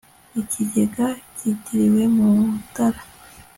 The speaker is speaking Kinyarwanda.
ikigega cyitiriwe mutara